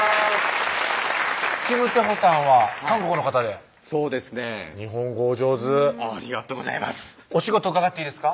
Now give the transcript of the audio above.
金太鎬さんは韓国の方でそうですね日本語お上手ありがとうございますお仕事伺っていいですか？